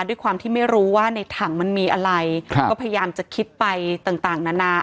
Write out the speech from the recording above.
ด้วยความที่ไม่รู้ว่าในถังมันมีอะไรก็พยายามจะคิดไปต่างต่างนานา